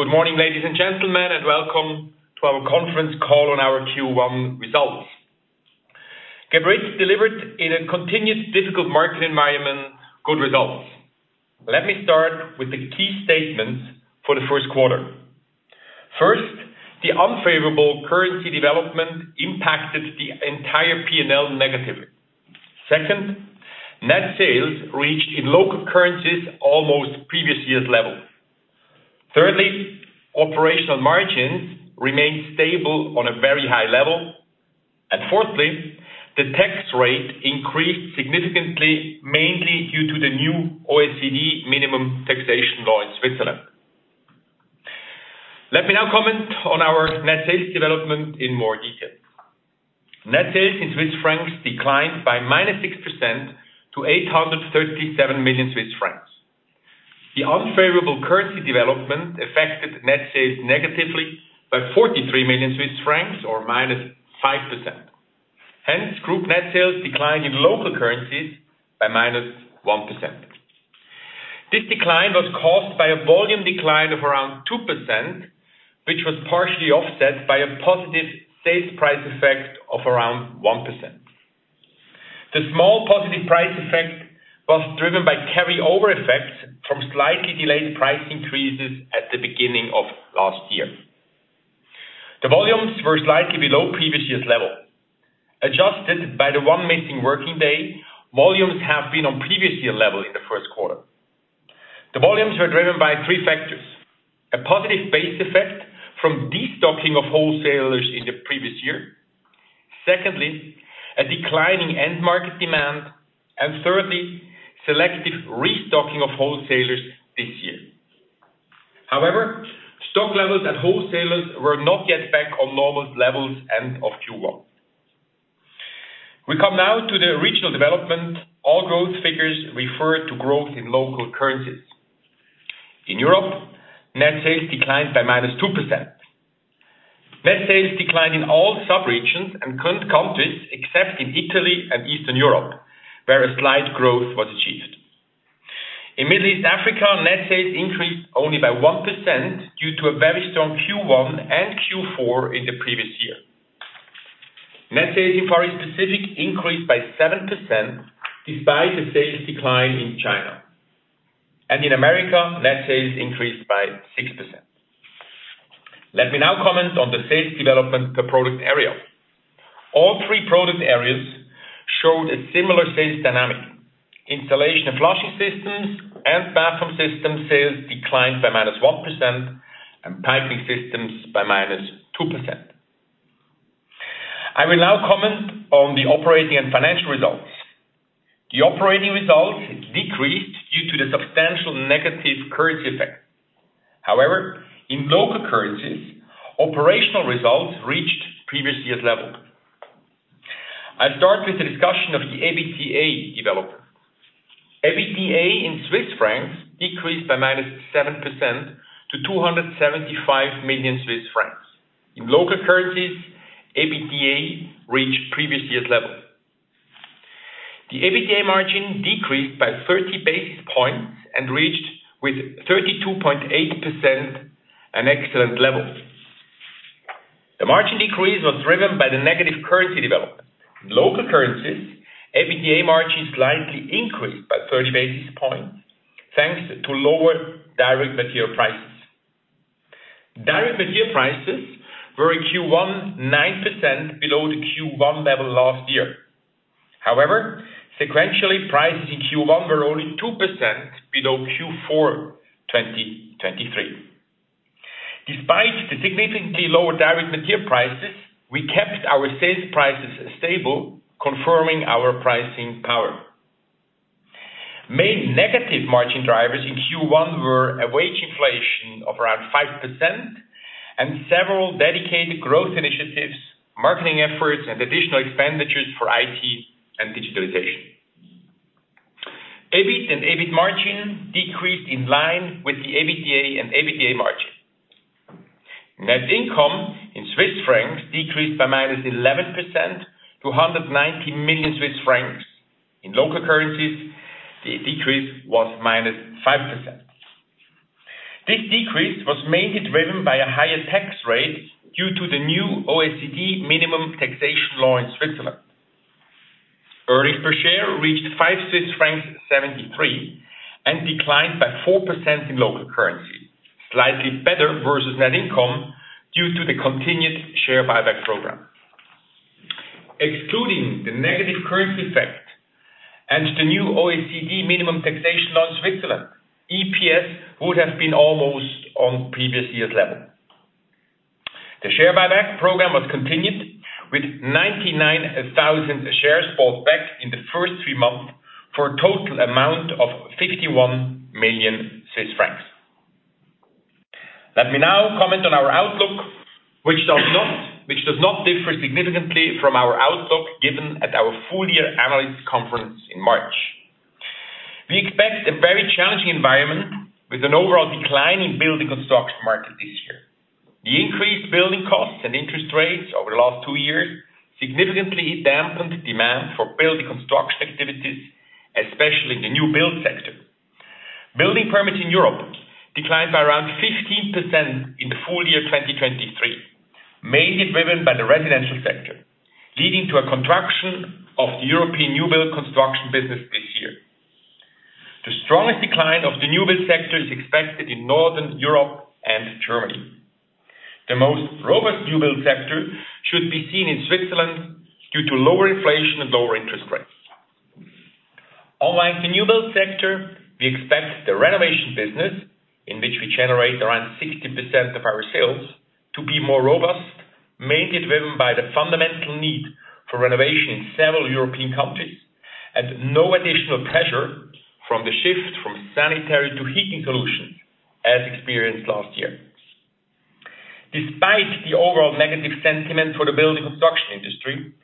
Good morning, ladies and gentlemen, and welcome to our conference call on our Q1 results. Geberit delivered in a continuous difficult market environment, good results. Let me start with the key statements for the first quarter. First, the unfavorable currency development impacted the entire P&L negatively. Second, net sales reached in local currencies, almost previous year's level. Thirdly, operational margins remained stable on a very high level. And fourthly, the tax rate increased significantly, mainly due to the new OECD minimum taxation law in Switzerland. Let me now comment on our net sales development in more detail. Net sales in Swiss francs declined by -6% to 837 million Swiss francs. The unfavorable currency development affected net sales negatively by 43 million Swiss francs or -5%. Hence, group net sales declined in local currencies by -1%. This decline was caused by a volume decline of around 2%, which was partially offset by a positive sales price effect of around 1%. The small positive price effect was driven by carryover effects from slightly delayed price increases at the beginning of last year. The volumes were slightly below previous year's level. Adjusted by the one missing working day, volumes have been on previous year level in the first quarter. The volumes were driven by three factors: a positive base effect from destocking of wholesalers in the previous year. Secondly, a declining end market demand, and thirdly, selective restocking of wholesalers this year. However, stock levels at wholesalers were not yet back on normal levels end of Q1. We come now to the regional development. All growth figures refer to growth in local currencies. In Europe, net sales declined by -2%. Net sales declined in all sub-regions and current countries, except in Italy and Eastern Europe, where a slight growth was achieved. In Middle East Africa, net sales increased only by 1% due to a very strong Q1 and Q4 in the previous year. Net sales in Far East Pacific increased by 7%, despite the sales decline in China. In America, net sales increased by 6%. Let me now comment on the sales development per product area. All three product areas showed a similar sales dynamic. Installation of flushing systems and bathroom system sales declined by -1% and piping systems by -2%. I will now comment on the operating and financial results. The operating results decreased due to the substantial negative currency effect. However, in local currencies, operational results reached previous year's level. I'll start with the discussion of the EBITDA development. EBITDA in Swiss francs decreased by -7% to 275 million Swiss francs. In local currencies, EBITDA reached previous year's level. The EBITDA margin decreased by thirty basis points and reached with 32.8% an excellent level. The margin decrease was driven by the negative currency development. In local currencies, EBITDA margin slightly increased by thirty basis points, thanks to lower direct material prices. Direct material prices were in Q1, 9% below the Q1 level last year. However, sequentially, prices in Q1 were only 2% below Q4 2023. Despite the significantly lower direct material prices, we kept our sales prices stable, confirming our pricing power. Main negative margin drivers in Q1 were a wage inflation of around 5% and several dedicated growth initiatives, marketing efforts, and additional expenditures for IT and digitalization. EBIT and EBIT margin decreased in line with the EBITDA and EBITDA margin. Net income in Swiss francs decreased by -11% to 190 million Swiss francs. In local currencies, the decrease was -5%. This decrease was mainly driven by a higher tax rate due to the new OECD minimum taxation law in Switzerland. Earnings per share reached 5.73 Swiss francs, and declined by 4% in local currency, slightly better versus net income due to the continued share buyback program. Excluding the negative currency effect and the new OECD minimum taxation law in Switzerland, EPS would have been almost on previous year's level. The share buyback program was continued with 99,000 shares bought back in the first three months, for a total amount of 51 million Swiss francs. Let me now comment on our outlook, which does not, which does not differ significantly from our outlook given at our full year analyst conference in March. We expect a very challenging environment with an overall decline in building and stock market this year.... The increased building costs and interest rates over the last two years significantly dampened demand for building construction activities, especially in the new build sector. Building permits in Europe declined by around 15% in the full year, 2023, mainly driven by the residential sector, leading to a contraction of the European new build construction business this year. The strongest decline of the new build sector is expected in Northern Europe and Germany. The most robust new build sector should be seen in Switzerland due to lower inflation and lower interest rates. Unlike the new build sector, we expect the renovation business, in which we generate around 60% of our sales, to be more robust, mainly driven by the fundamental need for renovation in several European countries, and no additional pressure from the shift from sanitary to heating solutions as experienced last year. Despite the overall negative sentiment for the building construction industry,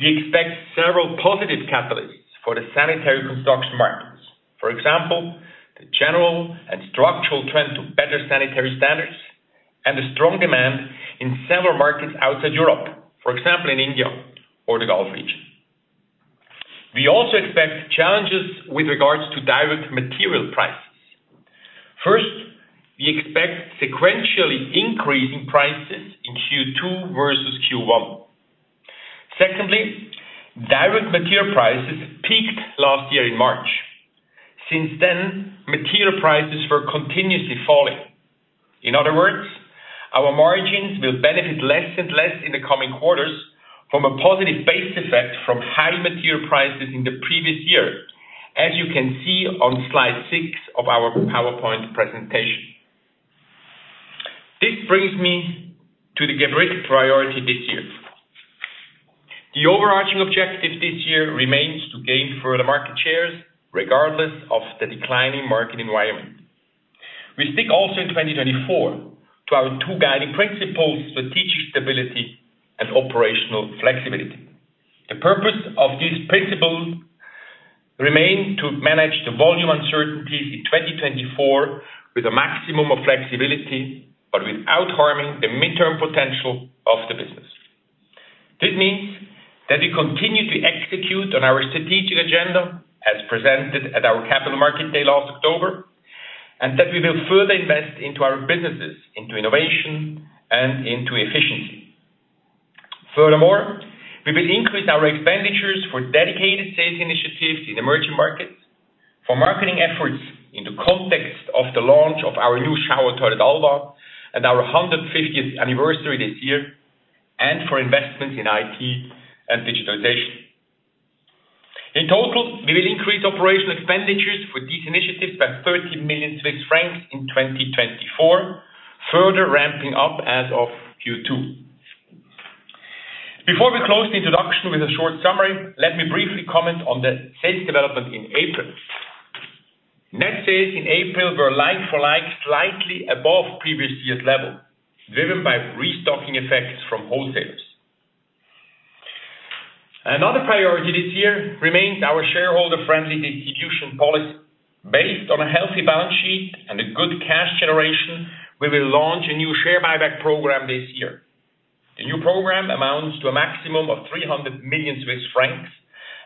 we expect several positive catalysts for the sanitary construction markets. For example, the general and structural trend to better sanitary standards and the strong demand in several markets outside Europe, for example, in India or the Gulf region. We also expect challenges with regards to direct material prices. First, we expect sequentially increasing prices in Q2 versus Q1. Secondly, direct material prices peaked last year in March. Since then, material prices were continuously falling. In other words, our margins will benefit less and less in the coming quarters from a positive base effect from high material prices in the previous year, as you can see on slide six of our PowerPoint presentation. This brings me to the Geberit priority this year. The overarching objective this year remains to gain further market shares, regardless of the declining market environment. We stick also in 2024 to our two guiding principles: strategic stability and operational flexibility. The purpose of this principle remain to manage the volume uncertainties in 2024 with a maximum of flexibility, but without harming the midterm potential of the business. This means that we continue to execute on our strategic agenda as presented at our Capital Market Day last October, and that we will further invest into our businesses, into innovation and into efficiency. Furthermore, we will increase our expenditures for dedicated sales initiatives in emerging markets, for marketing efforts in the context of the launch of our new shower toilet, Alba, and our 150th anniversary this year, and for investment in IT and digitalization. In total, we will increase operational expenditures for these initiatives by 30 million Swiss francs in 2024, further ramping up as of Q2. Before we close the introduction with a short summary, let me briefly comment on the sales development in April. Net sales in April were like-for-like, slightly above previous year's level, driven by restocking effects from wholesalers. Another priority this year remains our shareholder-friendly distribution policy. Based on a healthy balance sheet and a good cash generation, we will launch a new share buyback program this year. The new program amounts to a maximum of 300 million Swiss francs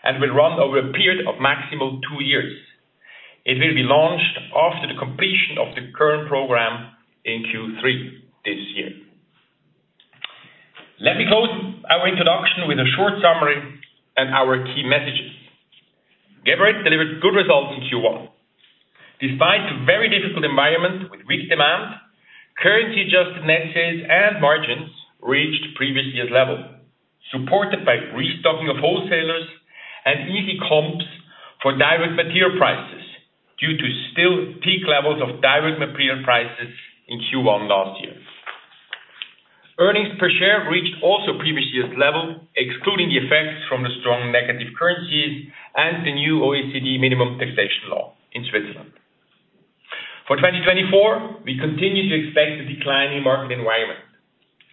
and will run over a period of maximum two years. It will be launched after the completion of the current program in Q3 this year. Let me close our introduction with a short summary and our key messages. Geberit delivered good results in Q1. Despite a very difficult environment with weak demand, currency adjusted net sales and margins reached previous year's level, supported by restocking of wholesalers and easy comps for direct material prices, due to still peak levels of direct material prices in Q1 last year. Earnings per share reached also previous year's level, excluding the effects from the strong negative currencies and the new OECD minimum taxation law in Switzerland. For 2024, we continue to expect a decline in market environment.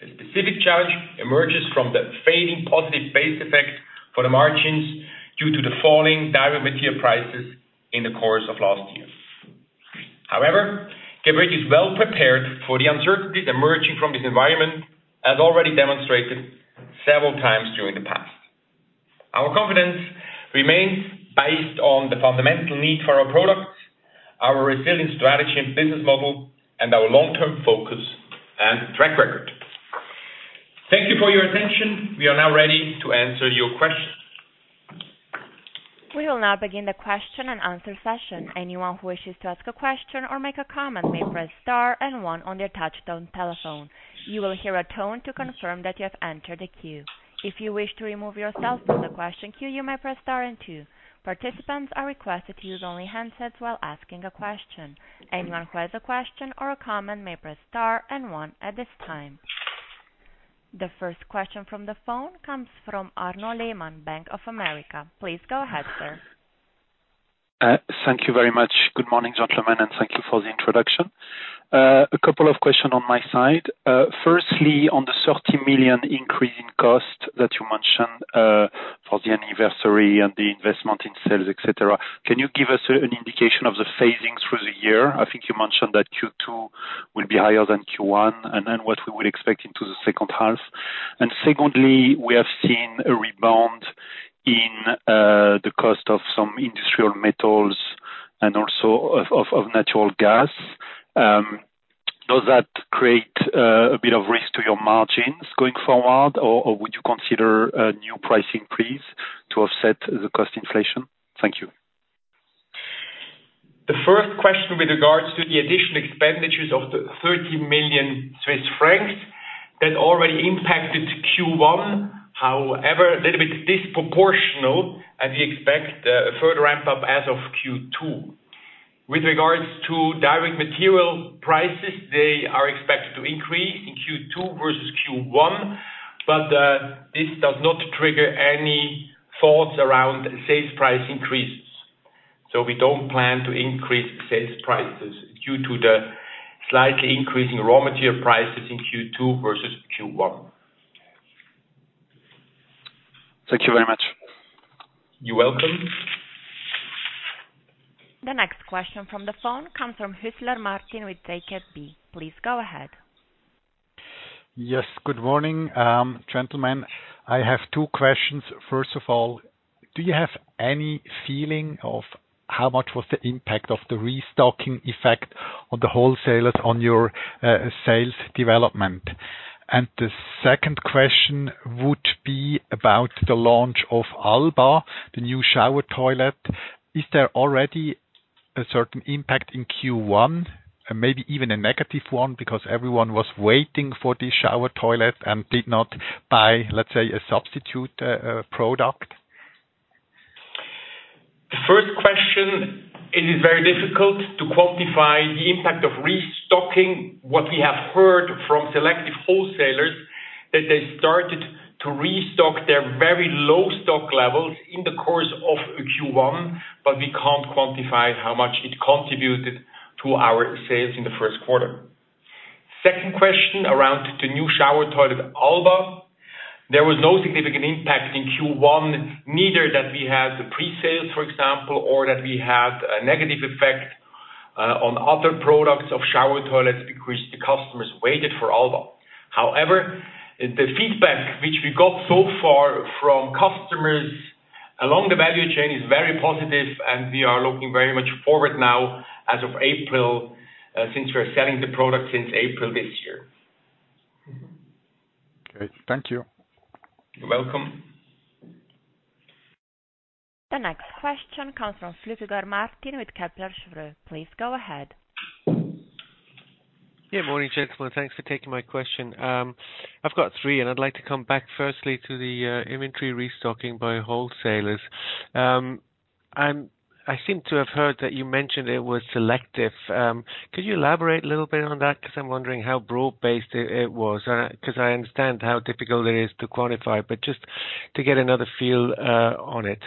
A specific challenge emerges from the fading positive base effect for the margins due to the falling direct material prices in the course of last year. However, Geberit is well prepared for the uncertainties emerging from this environment, as already demonstrated several times during the past. Our confidence remains based on the fundamental need for our products, our resilient strategy and business model, and our long-term focus and track record. Thank you for your attention. We are now ready to answer your questions. We will now begin the question and answer session. Anyone who wishes to ask a question or make a comment may press star and one on their touchtone telephone. You will hear a tone to confirm that you have entered the queue. If you wish to remove yourself from the question queue, you may press star and two. Participants are requested to use only handsets while asking a question. Anyone who has a question or a comment may press star and one at this time. The first question from the phone comes from Arnaud Lehmann, Bank of America Corporation. Please go ahead, sir. Thank you very much. Good morning, gentlemen, and thank you for the introduction. A couple of questions on my side. Firstly, on the 30 million increase in cost that you mentioned, for the anniversary and the investment in sales, et cetera, can you give us an indication of phasing through the year? I think you mentioned that Q2 will be higher than Q1, and then what we would expect into the second half. Secondly, we have seen a rebound in the cost of some industrial metals and also of natural gas. Does that create a bit of risk to your margins going forward, or would you consider a new pricing increase to offset the cost inflation? Thank you. The first question with regards to the additional expenditures of 30 million Swiss francs, that already impacted Q1. However, a little bit disproportional, and we expect a further ramp up as of Q2. With regards to direct material prices, they are expected to increase in Q2 versus Q1, but this does not trigger any thoughts around sales price increases. So we don't plan to increase sales prices due to the slight increase in raw material prices in Q2 versus Q1. Thank you very much. You're welcome. The next question from the phone comes from Martin Hüsler with Zürcher Kantonalbank. Please go ahead. Yes, good morning, gentlemen. I have two questions. First of all, do you have any feeling of how much was the impact of the restocking effect on the wholesalers on your sales development? And the second question would be about the launch of Alba, the new shower toilet. Is there already a certain impact in Q1, and maybe even a negative one, because everyone was waiting for this shower toilet and did not buy, let's say, a substitute product? The first question, it is very difficult to quantify the impact of restocking. What we have heard from selective wholesalers, that they started to restock their very low stock levels in the course of Q1, but we can't quantify how much it contributed to our sales in the first quarter. Second question, around the new shower toilet, Alba. There was no significant impact in Q1, neither that we had the pre-sale, for example, or that we had a negative effect on other products of shower toilets, because the customers waited for Alba. However, the feedback which we got so far from customers along the value chain is very positive, and we are looking very much forward now as of April, since we're selling the product since April this year. Mm-hmm. Okay, thank you. You're welcome. The next question comes from Martin Flückiger with Kepler Cheuvreux. Please go ahead. Yeah, morning, gentlemen. Thanks for taking my question. I've got three, and I'd like to come back firstly to the inventory restocking by wholesalers. I seem to have heard that you mentioned it was selective. Could you elaborate a little bit on that? Because I'm wondering how broad-based it was. 'Cause I understand how difficult it is to quantify, but just to get another feel on it.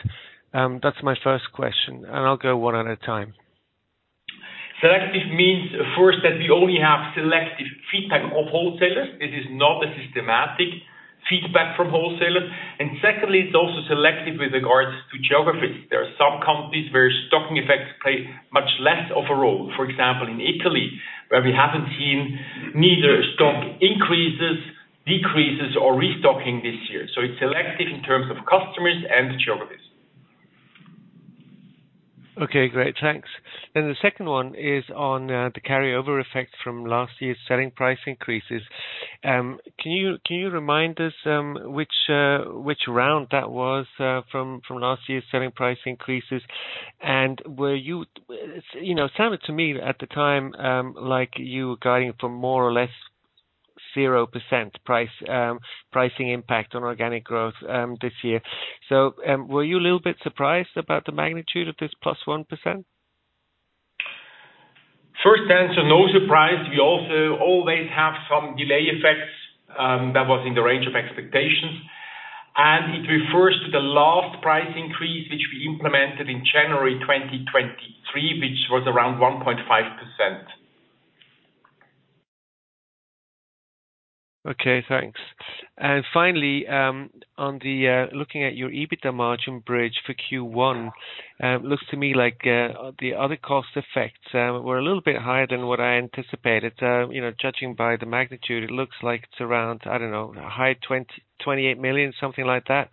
That's my first question, and I'll go one at a time. Selective means, first, that we only have selective feedback from wholesalers. It is not a systematic feedback from wholesalers. And secondly, it's also selective with regards to geography. There are some countries where stocking effects play much less of a role. For example, in Italy, where we haven't seen neither stock increases, decreases, or restocking this year. So it's selective in terms of customers and geographies. Okay, great, thanks. Then the second one is on the carryover effect from last year's selling price increases. Can you remind us which round that was from last year's selling price increases? And were you... you know, it sounded to me at the time like you were guiding for more or less 0% price pricing impact on organic growth this year. So, were you a little bit surprised about the magnitude of this +1%? First answer, no surprise. We also always have some delay effects. That was in the range of expectations. And it refers to the last price increase, which we implemented in January 2023, which was around 1.5%. Okay, thanks. And finally, on looking at your EBITDA margin bridge for Q1, it looks to me like the other cost effects were a little bit higher than what I anticipated. You know, judging by the magnitude, it looks like it's around, I don't know, 28 million, something like that,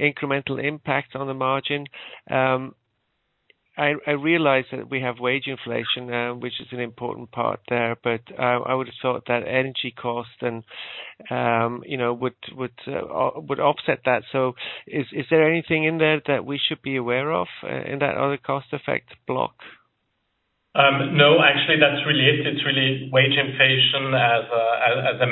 incremental impact on the margin. I realize that we have wage inflation, which is an important part there, but I would have thought that energy costs and you know would offset that. So is there anything in there that we should be aware of in that other cost effect block? No, actually, that's really it. It's really wage inflation as the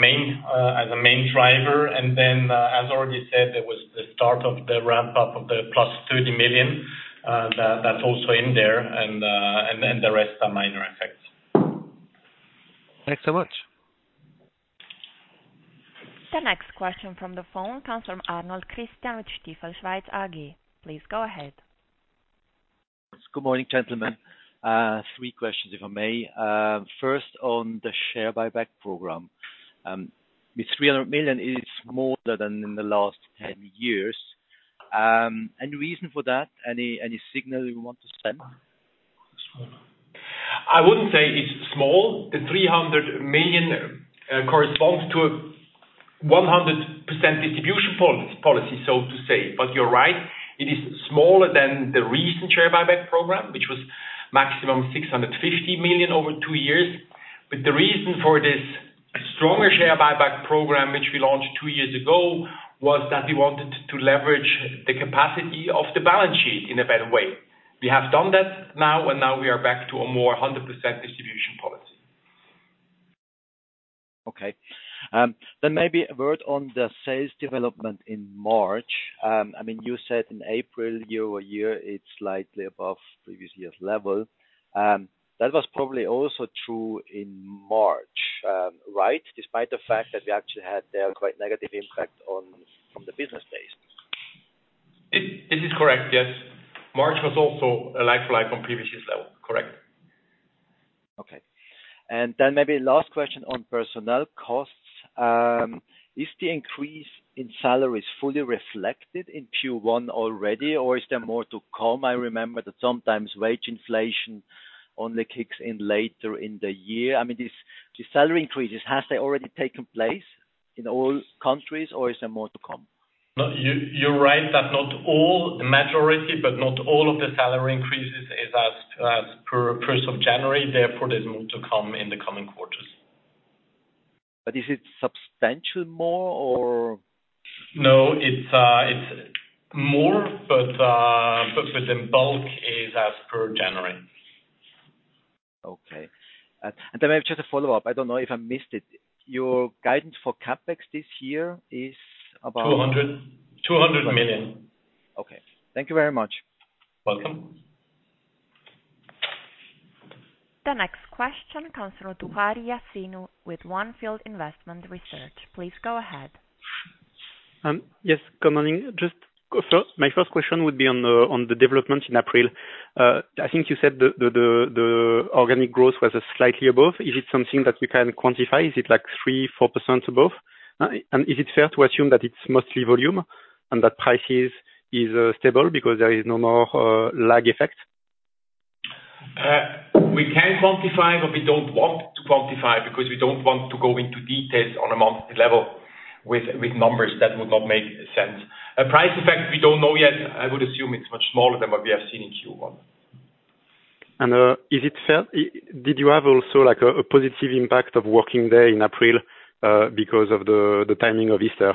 main driver. And then, as already said, there was the start of the ramp-up of the +30 million; that's also in there. And then the rest are minor effects. Thanks so much. The next question from the phone comes from Christian Arnold with Stifel Schweiz AG. Please, go ahead. Good morning, gentlemen. Three questions, if I may. First, on the share buyback program. With 300 million, it is smaller than in the last 10 years... Any reason for that? Any, any signal you want to send? I wouldn't say it's small. The 300 million corresponds to 100% distribution policy, so to say, but you're right, it is smaller than the recent share buyback program, which was maximum 650 million over two years. But the reason for this stronger share buyback program, which we launched two years ago, was that we wanted to leverage the capacity of the balance sheet in a better way. We have done that now, and now we are back to a more 100% distribution policy. Okay. Then maybe a word on the sales development in March. I mean, you said in April, year-over-year, it's slightly above previous year's level. That was probably also true in March, right? Despite the fact that we actually had a quite negative impact from the business base. It is correct, yes. March was also a like-for-like from previous year's level. Correct. Okay. And then maybe last question on personnel costs. Is the increase in salaries fully reflected in Q1 already, or is there more to come? I remember that sometimes wage inflation only kicks in later in the year. I mean, these, these salary increases, have they already taken place in all countries, or is there more to come? No, you're right that not all the majority, but not all of the salary increases is as per first of January, therefore, there's more to come in the coming quarters. But is it substantial more, or? No, it's more, but in bulk is as per January. Okay. And then I have just a follow-up. I don't know if I missed it. Your guidance for CapEx this year is about? 200 million. Okay. Thank you very much. Welcome. The next question comes from Yassine Touahri with On Field Investment Research. Please go ahead. Yes, good morning. Just so my first question would be on the development in April. I think you said the organic growth was slightly above. Is it something that we can quantify? Is it like 3%-4% above? And is it fair to assume that it's mostly volume and that prices is stable because there is no more lag effect? We can quantify, but we don't want to quantify because we don't want to go into details on a monthly level with numbers that would not make sense. A price effect, we don't know yet. I would assume it's much smaller than what we have seen in Q1. Is it fair... did you have also, like, a positive impact of working day in April because of the timing of Easter?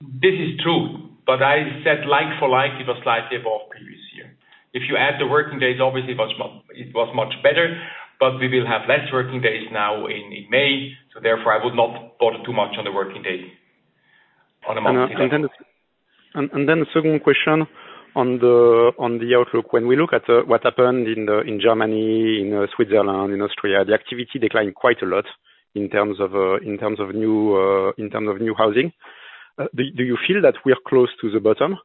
This is true, but I said like for like, it was slightly above previous year. If you add the working days, obviously much more, it was much better, but we will have less working days now in May, so therefore, I would not put too much on the working days on a monthly. And then the second question on the outlook. When we look at what happened in Germany, in Switzerland, in Austria, the activity declined quite a lot in terms of new housing. Do you feel that we are close to the bottom?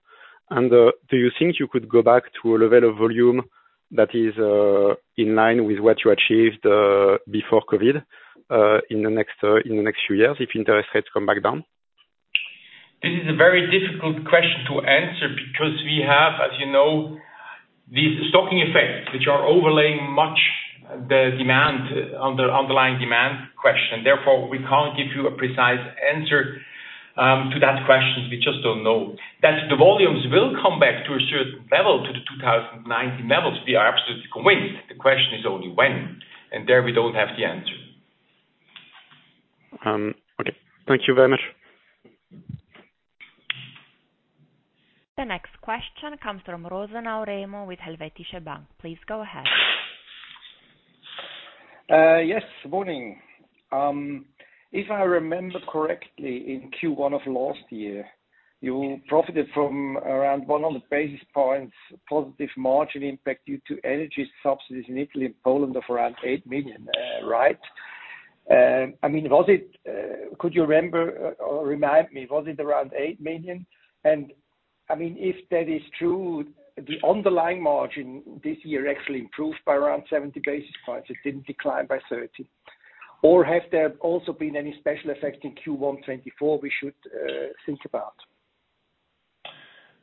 And do you think you could go back to a level of volume that is in line with what you achieved before COVID in the next few years, if interest rates come back down? This is a very difficult question to answer because we have, as you know, these stocking effects, which are overlaying the underlying demand question. Therefore, we can't give you a precise answer to that question. We just don't know. That the volumes will come back to a certain level, to the 2019 levels, we are absolutely convinced. The question is only when, and there we don't have the answer. Okay. Thank you very much. The next question comes from Remo Rosenau with Helvetische Bank. Please go ahead. Yes, good morning. If I remember correctly, in Q1 of last year, you profited from around 100 basis points positive margin impact due to energy subsidies in Italy and Poland of around 8 million, right? I mean, was it, could you remember, or remind me, was it around 8 million? And I mean, if that is true, the underlying margin this year actually improved by around 70 basis points, it didn't decline by 30. Or have there also been any special effect in Q1 2024 we should think about?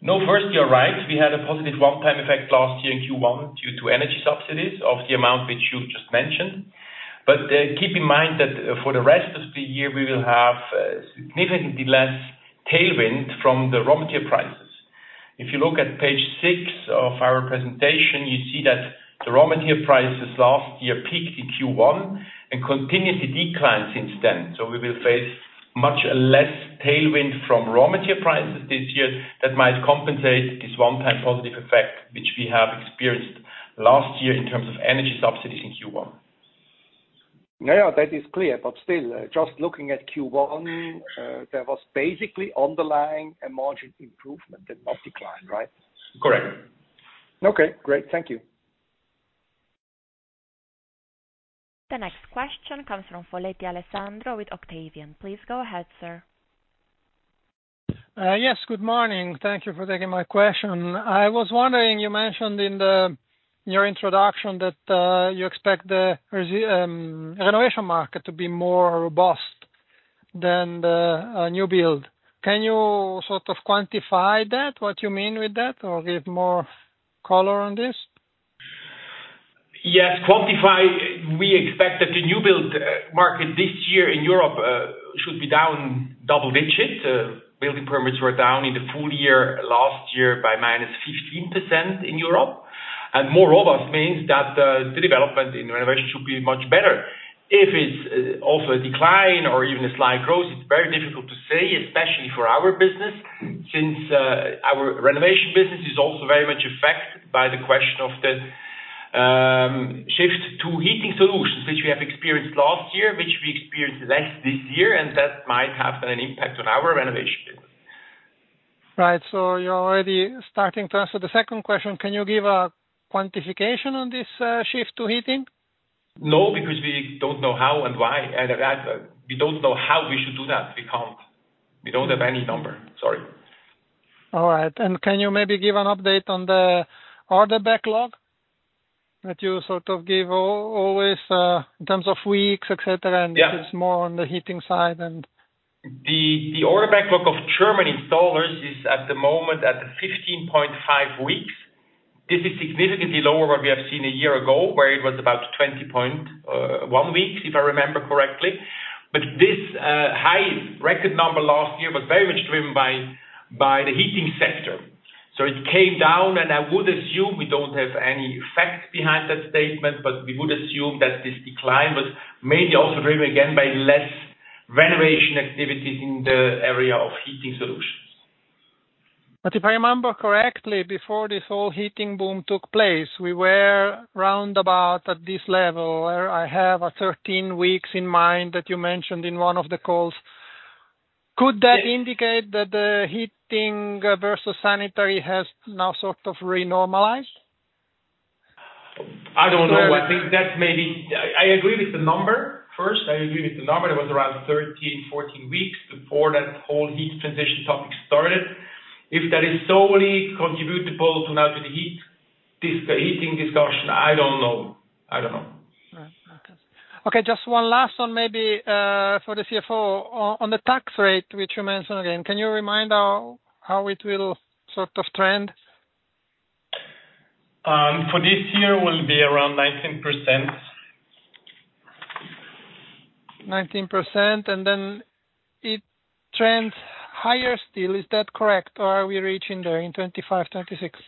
No, first, you're right. We had a positive one-time effect last year in Q1 due to energy subsidies of the amount which you've just mentioned. But, keep in mind that, for the rest of the year, we will have, significantly less tailwind from the raw material prices. If you look at page six of our presentation, you see that the raw material prices last year peaked in Q1 and continuously declined since then. So we will face much less tailwind from raw material prices this year that might compensate this one-time positive effect, which we have experienced last year in terms of energy subsidies in Q1. Yeah, yeah, that is clear. But still, just looking at Q1, there was basically underlying a margin improvement and not decline, right? Correct. Okay, great. Thank you. The next question comes from Alessandro Foletti with Octavian. Please go ahead, sir. Yes, good morning. Thank you for taking my question. I was wondering, you mentioned in the your introduction that you expect the residential renovation market to be more robust than the new build. Can you sort of quantify that, what you mean with that, or give more color on this? Yes, quantify, we expect that the new build market this year in Europe should be down double digits. Building permits were down in the full year, last year, by minus 15% in Europe. More robust means that the development in renovation should be much better. If it's also a decline or even a slight growth, it's very difficult to say, especially for our business, since our renovation business is also very much affected by the question of the shift to heating solutions, which we have experienced last year, which we experienced less this year, and that might have an impact on our renovation business. Right. So you're already starting to answer the second question: Can you give a quantification on this shift to heating? No, because we don't know how and why, and that, we don't know how we should do that. We can't. We don't have any number. Sorry. All right. Can you maybe give an update on the order backlog that you sort of give always, in terms of weeks, et cetera? Yeah. and if it's more on the heating side, and... The order backlog of Germany installers is at the moment at 15.5 weeks. This is significantly lower than what we have seen a year ago, where it was about 20.1 weeks, if I remember correctly. But this high record number last year was very much driven by the heating sector. So it came down, and I would assume we don't have any facts behind that statement, but we would assume that this decline was mainly also driven again by less renovation activities in the area of heating solutions. But if I remember correctly, before this whole heating boom took place, we were round about at this level, where I have 13 weeks in mind that you mentioned in one of the calls. Could that indicate that the heating versus sanitary has now sort of renormalized? I don't know. I think that maybe... I agree with the number. First, I agree with the number. It was around 13, 14 weeks before that whole heat transition topic started. If that is solely attributable to now to the heat, this, the heating discussion, I don't know. I don't know. Right. Okay. Okay, just one last one, maybe, for the CFO. On the tax rate, which you mentioned again, can you remind us how it will sort of trend? For this year will be around 19%. 19%, and then it trends higher still. Is that correct, or are we reaching there in 2025, 2026?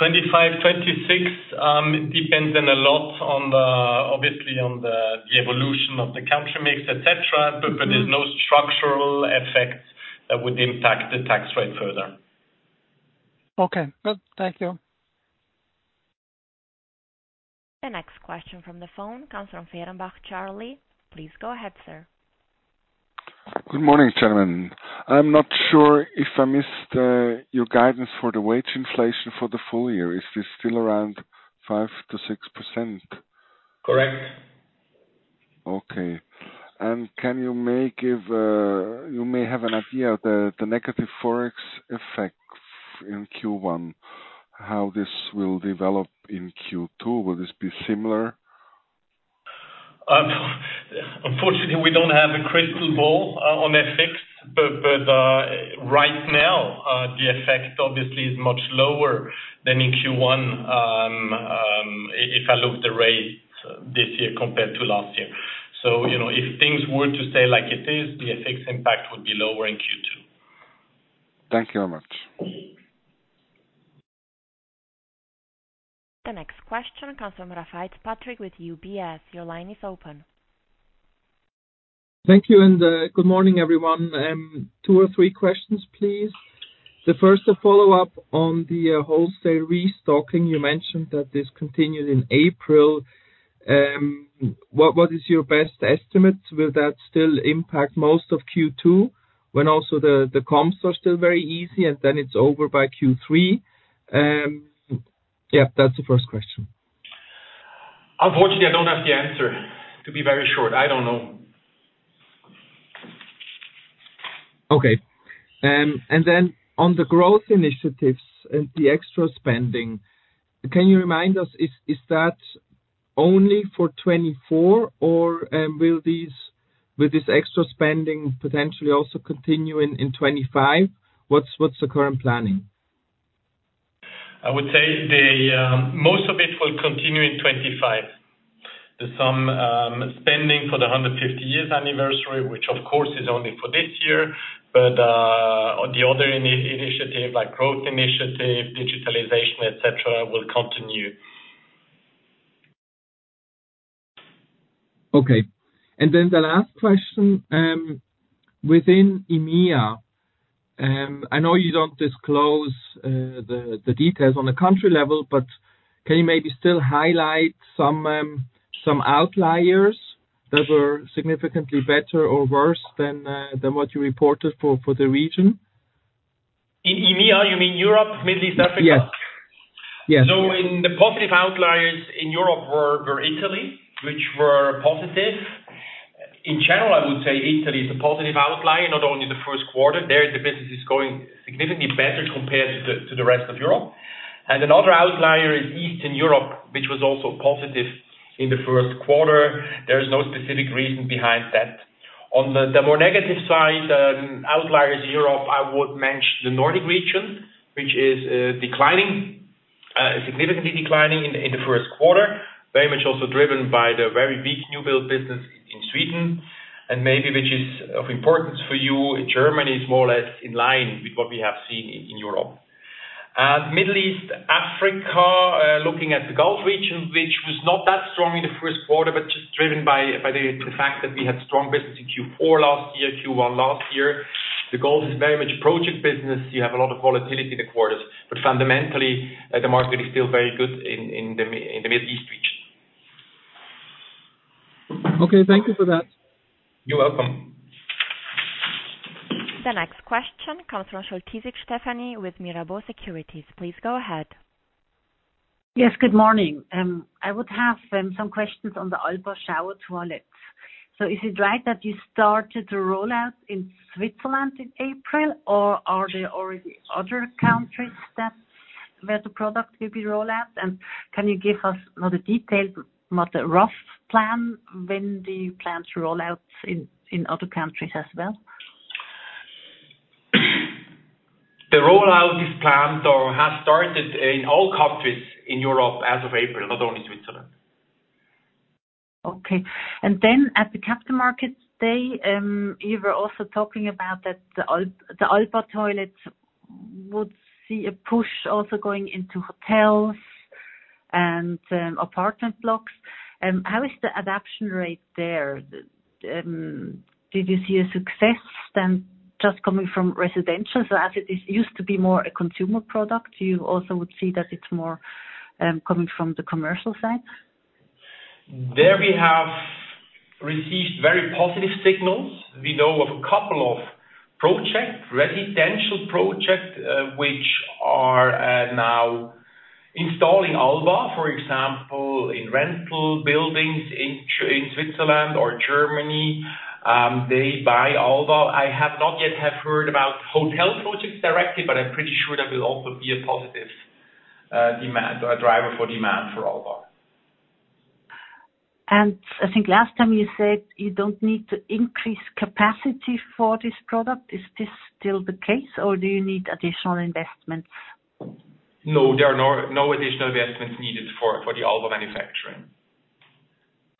2025, 2026, it depends on a lot, obviously, on the evolution of the country mix, et cetera. Mm-hmm. But there's no structural effect that would impact the tax rate further. Okay. Good. Thank you. The next question from the phone comes from Charlie Fehrenbach. Please go ahead, sir. Good morning, gentlemen. I'm not sure if I missed your guidance for the wage inflation for the full year. Is this still around 5%-6%? Correct. Okay. You may have an idea the negative Forex effect in Q1, how this will develop in Q2? Will this be similar? Unfortunately, we don't have a crystal ball on FX. But right now, the effect obviously is much lower than in Q1, if I look the rate this year compared to last year. So, you know, if things were to stay like it is, the FX impact would be lower in Q2. Thank you very much. The next question comes from Patrick Rafaisz with UBS. Your line is open. Thank you, and, good morning, everyone. Two or three questions, please. The first, a follow-up on the, wholesale restocking. You mentioned that this continued in April. What, what is your best estimate? Will that still impact most of Q2, when also the, the comps are still very easy, and then it's over by Q3? Yeah, that's the first question. Unfortunately, I don't have the answer. To be very short, I don't know. Okay. And then on the growth initiatives and the extra spending, can you remind us, is that only for 2024, or, will this extra spending potentially also continue in 2025? What's the current planning? I would say the most of it will continue in 2025. There's some spending for the 150 years anniversary, which of course is only for this year, but the other initiative, like growth initiative, digitalization, et cetera, will continue. Okay. And then the last question, within EMEA, I know you don't disclose the details on the country level, but can you maybe still highlight some outliers that are significantly better or worse than what you reported for the region? In EMEA, you mean Europe, Middle East, Africa? Yes. Yes. So in the positive outliers in Europe were Italy, which were positive. In general, I would say Italy is a positive outlier, not only the first quarter. There, the business is going significantly better compared to the rest of Europe. And another outlier is Eastern Europe, which was also positive in the first quarter. There is no specific reason behind that. On the more negative side, outliers Europe, I would mention the Nordic region, which is declining significantly declining in the first quarter. Very much also driven by the very big new build business in Sweden, and maybe which is of importance for you, Germany is more or less in line with what we have seen in Europe. Middle East Africa, looking at the Gulf region, which was not that strong in the first quarter, but just driven by the fact that we had strong business in Q4 last year, Q1 last year. The Gulf is very much project business. You have a lot of volatility in the quarters, but fundamentally, the market is still very good in the Middle East region. Okay, thank you for that. You're welcome. The next question comes from Scholtysik Stefanie with Mirabaud Securities. Please go ahead. Yes, good morning. I would have some questions on the Alba shower toilets. So is it right that you started to roll out in Switzerland in April, or are there already other countries that, where the product will be rolled out? And can you give us not a detail, but not a rough plan when do you plan to roll out in other countries as well? The rollout is planned or has started in all countries in Europe as of April, not only Switzerland. Okay. And then at the Capital Markets Day, you were also talking about that the Alba toilets would see a push also going into hotels and apartment blocks. How is the adoption rate there? Did you see a success than just coming from residential? So as it, it used to be more a consumer product, you also would see that it's more coming from the commercial side? There we have received very positive signals. We know of a couple of projects, residential projects, which are now installing Alba, for example, in rental buildings in Switzerland or Germany, they buy Alba. I have not yet have heard about hotel projects directly, but I'm pretty sure that will also be a positive demand or a driver for demand for Alba. I think last time you said you don't need to increase capacity for this product. Is this still the case, or do you need additional investments? No, there are no additional investments needed for the Alba manufacturing.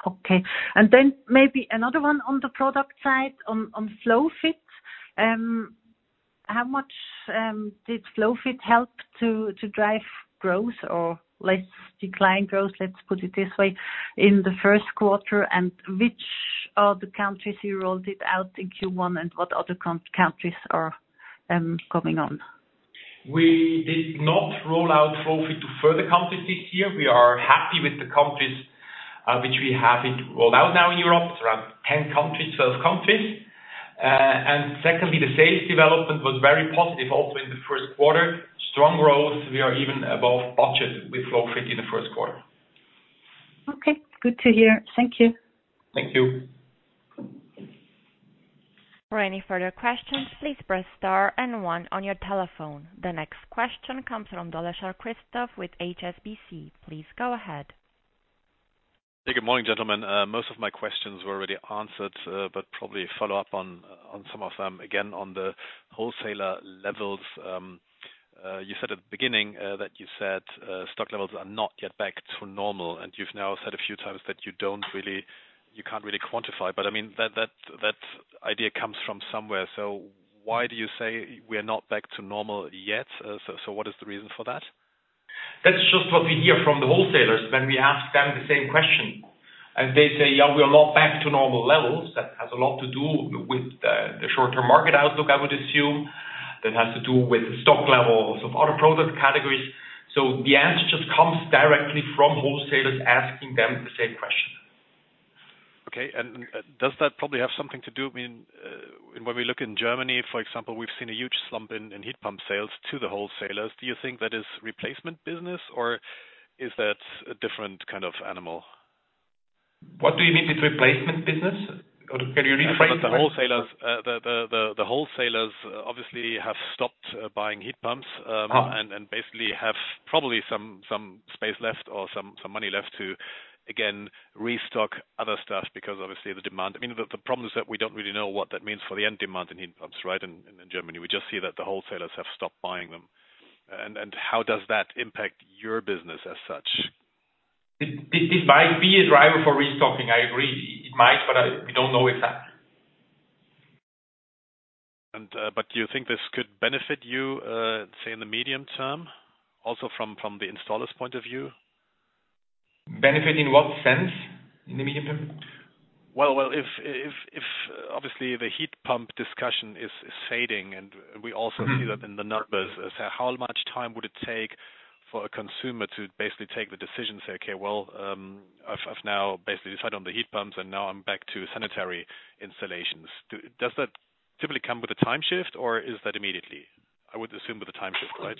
Okay. And then maybe another one on the product side, on FlowFit. How much did FlowFit help to drive growth or less decline growth, let's put it this way, in the first quarter? And which are the countries you rolled it out in Q1, and what other countries are coming on? We did not roll out FlowFit to further countries this year. We are happy with the countries, which we have it rolled out now in Europe. It's around 10 countries, 12 countries. And secondly, the sales development was very positive also in the first quarter. Strong growth, we are even above budget with FlowFit in the first quarter. Okay, good to hear. Thank you. Thank you. For any further questions, please press star and one on your telephone. The next question comes from Christoph with HSBC. Please go ahead. Hey, good morning, gentlemen. Most of my questions were already answered, but probably a follow-up on some of them. Again, on the wholesaler levels, you said at the beginning that stock levels are not yet back to normal, and you've now said a few times that you don't really—you can't really quantify. But, I mean, that idea comes from somewhere. So why do you say we are not back to normal yet? What is the reason for that? That's just what we hear from the wholesalers when we ask them the same question, and they say, "Yeah, we are not back to normal levels." That has a lot to do with the short-term market outlook, I would assume. That has to do with stock levels of other product categories. So the answer just comes directly from wholesalers asking them the same question. Okay, and does that probably have something to do with when we look in Germany, for example, we've seen a huge slump in heat pump sales to the wholesalers? Do you think that is replacement business, or is that a different kind of animal? What do you mean with replacement business? Or can you rephrase? The wholesalers obviously have stopped buying heat pumps. Uh-huh. And basically have probably some space left or some money left to again restock other stuff, because obviously the demand... I mean, the problem is that we don't really know what that means for the end demand in heat pumps, right, in Germany, we just see that the wholesalers have stopped buying them. And how does that impact your business as such? It might be a driver for restocking, I agree. It might, but I—we don't know if that. But do you think this could benefit you, say, in the medium term, also from the installer's point of view? Benefit in what sense, in the medium term? Well, if obviously, the heat pump discussion is fading, and we also- Mm-hmm. See that in the numbers, so how much time would it take for a consumer to basically take the decision, say, "Okay, well, I've now basically decided on the heat pumps, and now I'm back to sanitary installations." Does that typically come with a time shift, or is that immediately? I would assume with a time shift, right?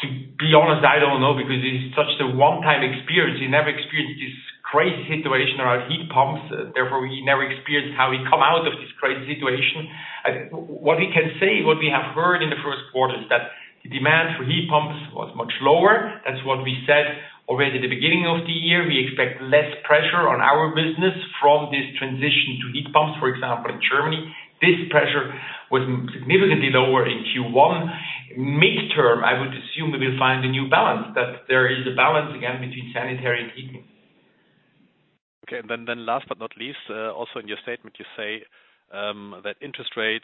To be honest, I don't know, because it's such a one-time experience. You never experienced this crazy situation around heat pumps, therefore we never experienced how we come out of this crazy situation. I think what we can say, what we have heard in the first quarter, is that the demand for heat pumps was much lower. That's what we said already at the beginning of the year. We expect less pressure on our business from this transition to heat pumps, for example, in Germany. This pressure was significantly lower in Q1. Midterm, I would assume we will find a new balance, that there is a balance again between sanitary and heating. Okay. Then last but not least, also in your statement you say that interest rate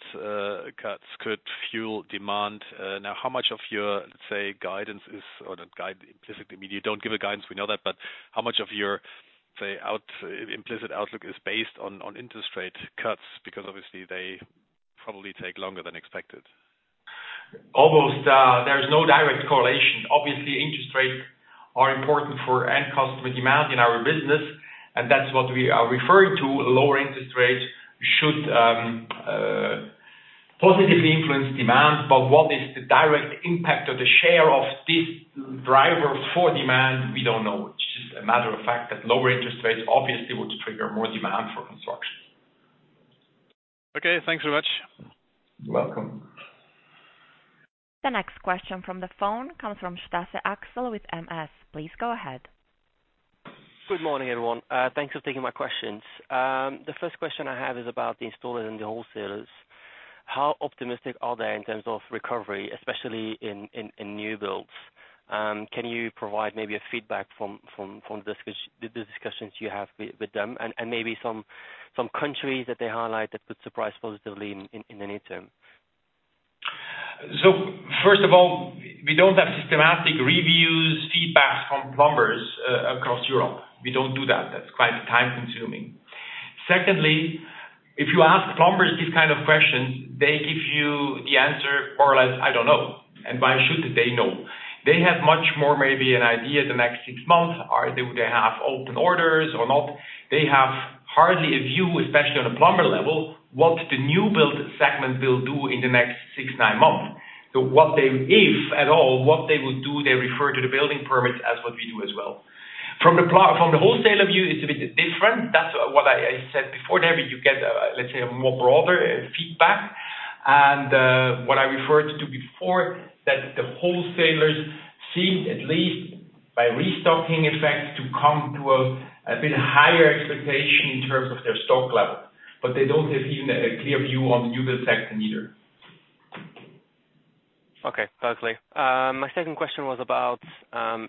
cuts could fuel demand. Now, how much of your, let's say, guidance is or not guide, implicitly we don't give a guidance, we know that, but how much of your, say, our implicit outlook is based on interest rate cuts? Because obviously they probably take longer than expected. Almost, there's no direct correlation. Obviously, interest rates are important for end customer demand in our business, and that's what we are referring to. Lower interest rates should positively influence demand, but what is the direct impact or the share of this driver for demand? We don't know. It's just a matter of fact that lower interest rates obviously would trigger more demand for construction. Okay, thanks so much. You're welcome. The next question from the phone comes from Axel Stasse with Morgan Stanley Please go ahead. Good morning, everyone. Thanks for taking my questions. The first question I have is about the installers and the wholesalers. How optimistic are they in terms of recovery, especially in new builds? Can you provide maybe a feedback from the discussions you have with them, and maybe some countries that they highlight that could surprise positively in the near term? So first of all, we don't have systematic reviews, feedbacks from plumbers across Europe. We don't do that. That's quite time consuming. Secondly, if you ask plumbers these kind of questions, they give you the answer more or less, "I don't know." And why should they know? They have much more maybe an idea the next 6 months, or do they have open orders or not. They have hardly a view, especially on a plumber level, what the new build segment will do in the next six, nine month. So what they, if at all, what they will do, they refer to the building permits as what we do as well. From the wholesaler view, it's a bit different. That's what I said before, there you get a, let's say, a more broader feedback. What I referred to before, that the wholesalers seem, at least by restocking effects, to come to a bit higher expectation in terms of their stock level, but they don't have even a clear view on the new build sector neither. Okay, perfectly. My second question was about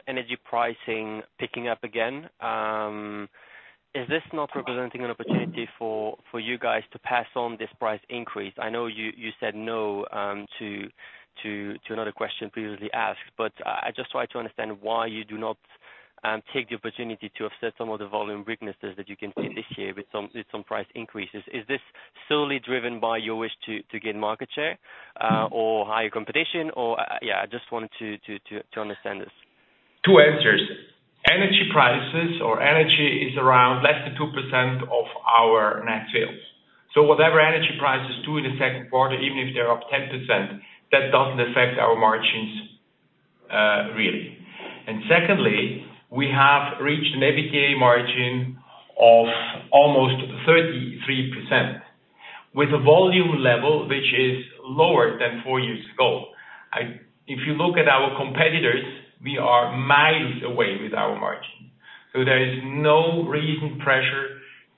energy pricing picking up again. Is this not representing an opportunity for you guys to pass on this price increase? I know you said no to another question previously asked, but I just try to understand why you do not take the opportunity to offset some of the volume weaknesses that you can see this year with some price increases. Is this solely driven by your wish to gain market share, or higher competition or... Yeah, I just wanted to understand this. Two answers. Energy prices or energy is around less than 2% of our net sales. So whatever energy prices do in the second quarter, even if they're up 10%, that doesn't affect our margins really. And secondly, we have reached an EBITDA margin of almost 33%, with a volume level which is lower than four years ago. If you look at our competitors, we are miles away with our margin, so there is no reason, pressure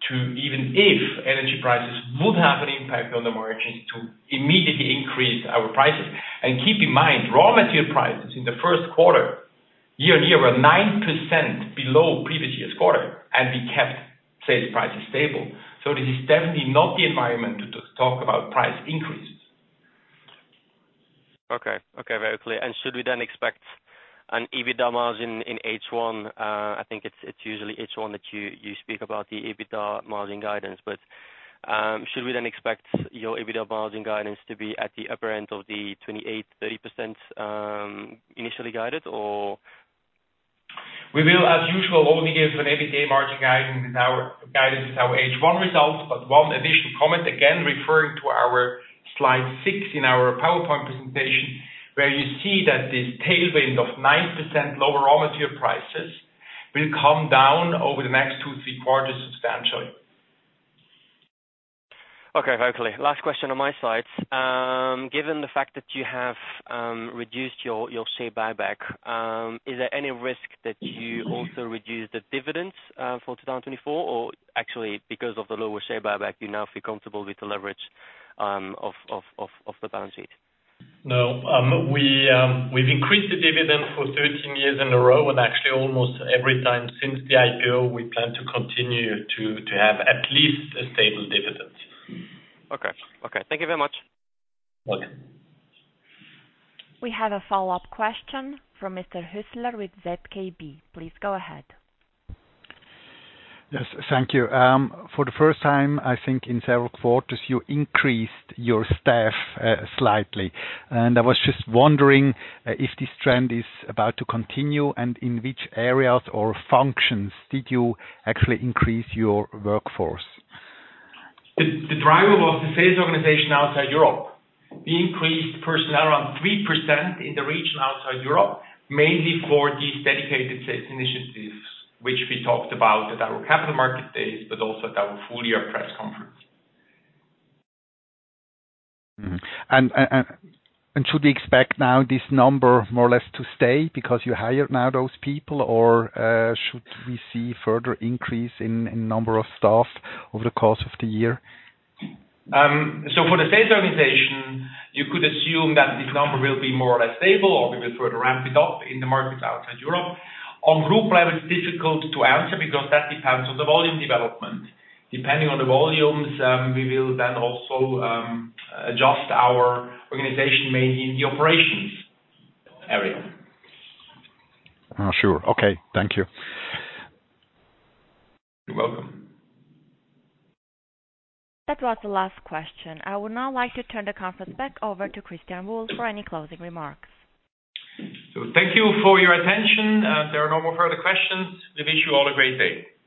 to even if energy prices would have an impact on the margins, to immediately increase our prices. And keep in mind, raw material prices in the first quarter, year-on-year were 9% below previous year's quarter, and we kept sales prices stable. So this is definitely not the environment to talk about price increases. Okay. Okay, very clear. And should we then expect an EBITDA margin in H1? I think it's usually H1 that you speak about the EBITDA margin guidance. But should we then expect your EBITDA margin guidance to be at the upper end of the 28%-30%, initially guided or? We will, as usual, only give an EBITDA margin guidance in our guidance, in our H1 results. But one additional comment, again, referring to our slide six in our PowerPoint presentation, where you see that this tailwind of 9% lower raw material prices will come down over the next two, three quarters substantially. Okay, perfectly. Last question on my side. Given the fact that you have reduced your share buyback, is there any risk that you also reduce the dividends for 2024? Or actually, because of the lower share buyback, you now feel comfortable with the leverage of the balance sheet? No. We’ve increased the dividend for 13 years in a row, and actually almost every time since the IPO, we plan to continue to have at least a stable dividend. Okay. Okay, thank you very much. Welcome. We have a follow-up question from Mr. Hüsler with ZKB. Please go ahead. Yes, thank you. For the first time, I think in several quarters, you increased your staff slightly. I was just wondering if this trend is about to continue, and in which areas or functions did you actually increase your workforce? The driver was the sales organization outside Europe. We increased personnel around 3% in the region outside Europe, mainly for these dedicated sales initiatives, which we talked about at our Capital Market Day, but also at our full year press conference. Mm-hmm. And should we expect now this number more or less to stay because you hired now those people? Or should we see further increase in number of staff over the course of the year? For the sales organization, you could assume that this number will be more or less stable, or we will further ramp it up in the markets outside Europe. On group level, it's difficult to answer because that depends on the volume development. Depending on the volumes, we will then also adjust our organization, mainly in the operations area. Oh, sure. Okay, thank you. You're welcome. That was the last question. I would now like to turn the conference back over to Christian Buhl for any closing remarks. Thank you for your attention, and if there are no more further questions, we wish you all a great day.